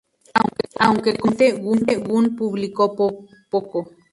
Aunque competente, Gunn publicó poco.